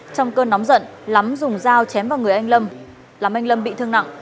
trong cơn nóng giận lắm dùng dao chém vào người anh lâm làm anh lâm bị thương nặng